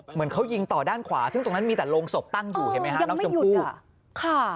เหมือนเขายิงต่อด้านขวาซึ่งตรงนั้นมีแต่โรงศพตั้งอยู่เห็นมั้ยฮะ